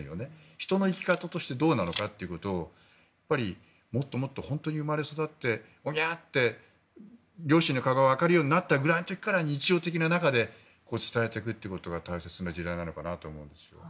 人の生き方としてどうなのかということを、もっともっと本当に生まれ育ってオギャーと両親の顔が分かるぐらいの時から日常で伝えていくということが大切な時代なのかなと思います。